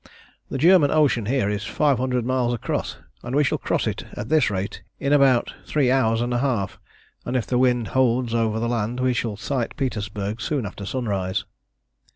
The German Ocean here is five hundred miles across, and we shall cross it at this rate in about three hours and a half, and if the wind holds over the land we shall sight Petersburg soon after sunrise.